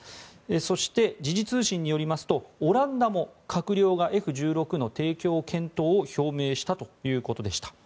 そして、時事通信によりますとオランダも閣僚がＦ１６の提供検討を表明したということでした。